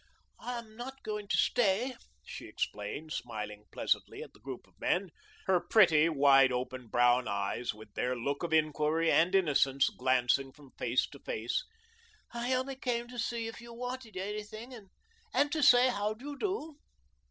"I am not going to stay," she explained, smiling pleasantly at the group of men, her pretty, wide open brown eyes, with their look of inquiry and innocence, glancing from face to face, "I only came to see if you wanted anything and to say how do you do."